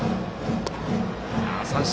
三振。